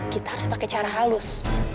kita harus pakai cara halus